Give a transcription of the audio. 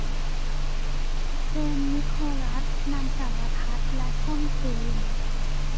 เซนต์นิโคลัสนำสารพัดและส้มจีน